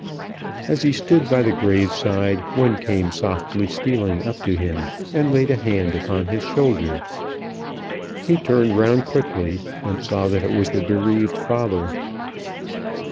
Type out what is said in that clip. As he stood by the grave side, one came softly stealing up to him, and laid a hand upon his shoulder. He turned round quickly, and saw that it was the bereaved father.